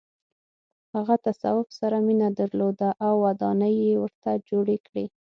هغه تصوف سره مینه درلوده او ودانۍ یې ورته جوړې کړې.